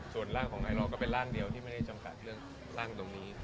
ส่วนร่างของไอลอร์ก็เป็นร่างเดียวที่ไม่ได้จำกัดเรื่องร่างตรงนี้